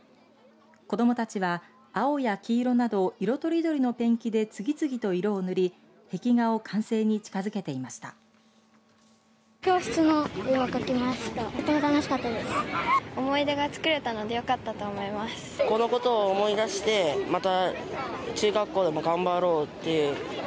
子どもたちは青や黄色など色とりどりのペンキで次々と色を塗り壁画を完成に近づけていました。